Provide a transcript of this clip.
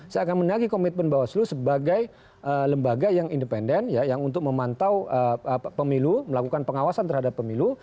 saya akan menagi komitmen bawaslu sebagai lembaga yang independen yang untuk memantau pemilu melakukan pengawasan terhadap pemilu